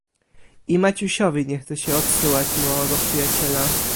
"I Maciusiowi nie chce się odsyłać małego przyjaciela."